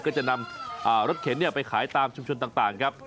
ก็จะนำรถเข็นไปขายตามชุมชนต่างครับ